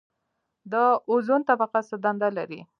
د اوزون طبقه څه دنده لري؟